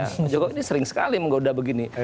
pak jokowi ini sering sekali menggoda begini